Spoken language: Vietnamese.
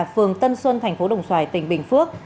vườn tân xuân tp đồng xoài tỉnh bình phước